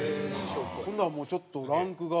ほんならもうちょっとランクが。